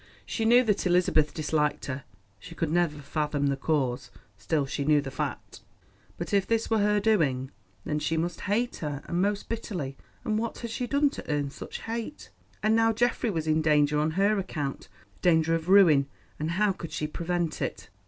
She knew that Elizabeth disliked her; she could never fathom the cause, still she knew the fact. But if this were her doing, then she must hate her, and most bitterly; and what had she done to earn such hate? And now Geoffrey was in danger on her account, danger of ruin, and how could she prevent it?